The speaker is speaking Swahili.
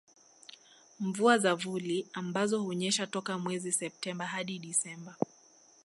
Mvua za vuli ambazo hunyesha toka mwezi Septemba hadi Desemba